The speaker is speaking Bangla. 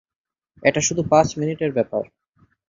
এটা শুধু পাঁচ মিনিটের ব্যাপার।